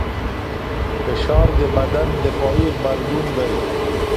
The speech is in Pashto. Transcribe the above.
فشار د بدن دفاعي غبرګون دی.